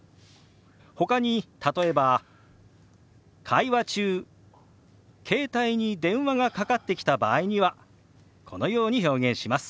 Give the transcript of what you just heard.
ほかに例えば会話中携帯に電話がかかってきた場合にはこのように表現します。